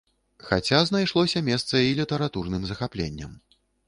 Хаця знайшлося месца і літаратурным захапленням.